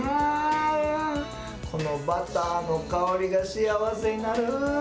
このバターの香りが幸せになる。